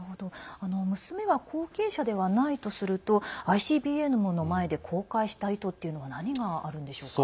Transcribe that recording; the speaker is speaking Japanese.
娘は後継者ではないとするとＩＣＢＭの前で公開した意図っていうのは何があるんでしょうか？